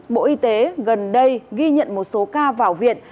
bộ y tế gần đây ghi nhận một số ca vào viện